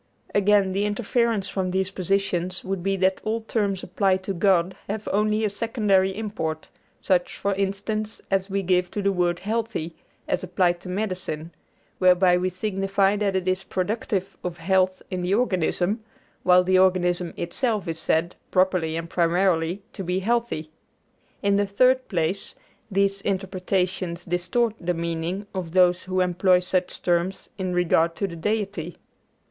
Again, the inference from these positions would be that all terms applied to God have only a secondary import, such, for instance, as we give to the word healthy, as applied to medicine; whereby we signify that it is productive of health in the organism, while the organism itself is said, properly and primarily, to be healthy. In the third place, these interpretations distort the meaning of those who employ such terms in regard to the Deity.